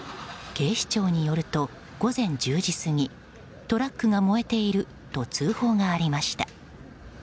警視庁によると午前１０時過ぎトラックが燃えていると通報がありました。